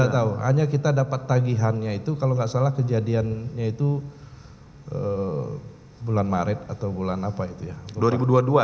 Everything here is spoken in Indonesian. tidak tahu hanya kita dapat tagihannya itu kalau nggak salah kejadiannya itu bulan maret atau bulan apa itu ya